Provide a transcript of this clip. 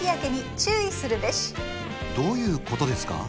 どういうことですか？